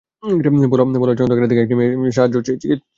বলা হয়, চলন্ত গাড়ি থেকে একটি মেয়ে সাহায্য চেয়ে চিৎকার করছেন।